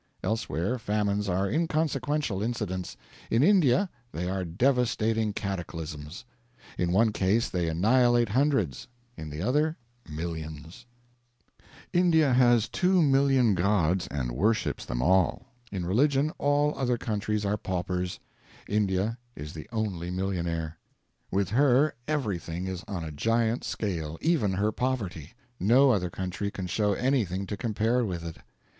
Elsewhere famines are inconsequential incidents in India they are devastating cataclysms; in one case they annihilate hundreds; in the other, millions. India has 2,000,000 gods, and worships them all. In religion all other countries are paupers; India is the only millionaire. With her everything is on a giant scale even her poverty; no other country can show anything to compare with it.